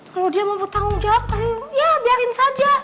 kalau dia mau bertanggung jawab ya biarkan saja